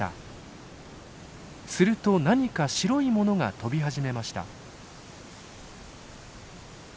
すると何か白いものが飛び始めました。